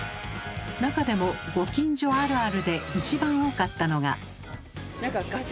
中でもご近所あるあるで一番多かったのが。